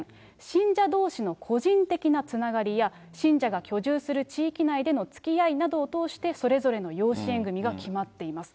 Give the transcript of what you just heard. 信者どうしの個人的なつながりや、信者が居住する地域内でのつきあいなどを通して、それぞれの養子縁組が決まっています。